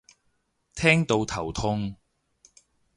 聽到頭痛